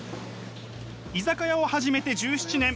居酒屋を始めて１７年。